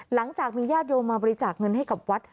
หลังจากมีญาติโยมมาบริจาคเงินให้กับวัด